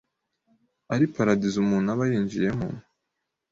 ari paradizo umuntu aba yinjiyemo,